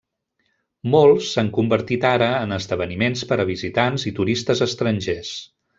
Molts s'han convertit ara en esdeveniments per a visitants i turistes estrangers.